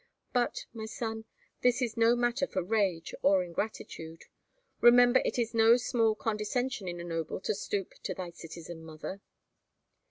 But, my son, this is no matter for rage or ingratitude. Remember it is no small condescension in a noble to stoop to thy citizen mother."